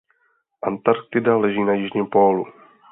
Antarktida leží na jižním pólu.